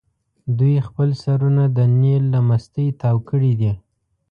دوی خپل سرونه د نیل له مستۍ تاو کړي دي.